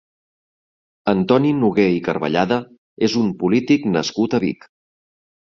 Antoni Noguer i Carvellada és un polític nascut a Vic.